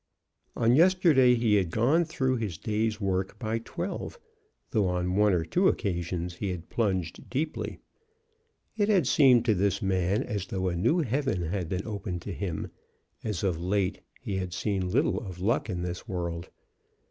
On yesterday he had gone through his day's work by twelve, though on one or two occasions he had plunged deeply. It had seemed to this man as though a new heaven had been opened to him, as of late he had seen little of luck in this world.